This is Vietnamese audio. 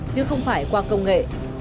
chứ không phải qua công nghệ